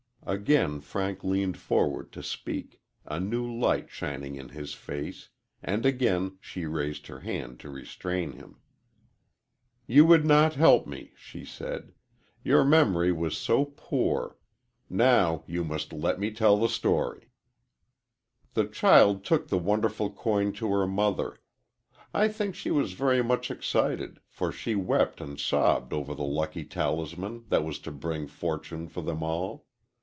Again Frank leaned forward to speak, a new light shining in his face, and again she raised her hand to restrain him. "You would not help me," she said, "your memory was so poor. Now, you must let me tell the story. "The child took the wonderful coin to her mother. I think she was very much excited, for she wept and sobbed over the lucky talisman that was to bring fortune for them all.